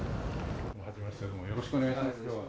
よろしくお願いします。